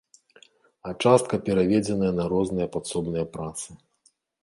А частка пераведзеная на розныя падсобныя працы.